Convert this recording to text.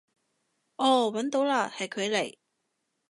哦搵到嘞，係佢嚟